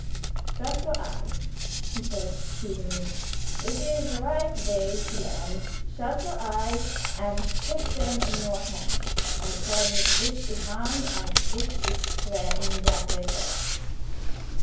"Shut your eyes," he said soothingly. "It is the right ways to learn. Shut your eyes, and take them in your hands, and tell me which is round and which is square in that way first."